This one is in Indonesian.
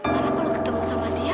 malah kalau ketemu sama dia